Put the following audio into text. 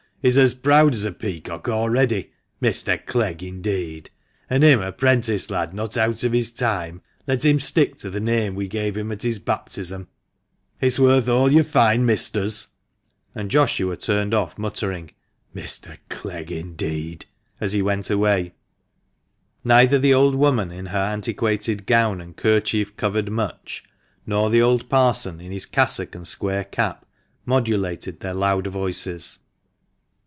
He's as proud as a peacock already, Mr. Clegg, indeed! and him a 'prentice lad not out of his time ! Let him stick to the name we gave him at his baptism — it's worth all your fine Misters." And Joshua turned off, muttering, " Mr. Clegg, indeed !" as he went away. Neither the old woman in her antiquated gown and kerchief covered mutch, nor the old parson in his cassock and square cap, modulated their loud voices.